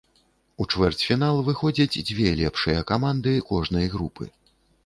У чвэрцьфінал выходзяць дзве лепшыя каманды кожнай групы.